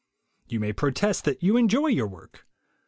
You may protest that you enjoy your work.